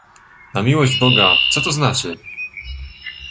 "„Na miłość Boga, co to znaczy?"